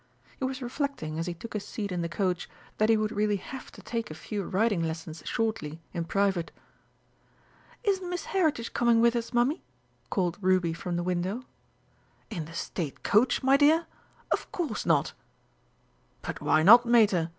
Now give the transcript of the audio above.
He was reflecting, as he took his seat in the coach, that he would really have to take a few riding lessons shortly, in private. "Isn't Miss Heritage coming with us, Mummy?" called Ruby from the window. "In the State Coach, my dear! Of course not!" "But why not, Mater?"